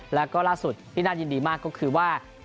แล้วก็ล่าสุดที่น่ายินดีมากก็คือว่า